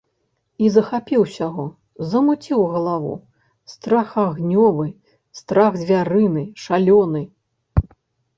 І захапіў усяго, замуціў галаву страх агнёвы, страх звярыны, шалёны.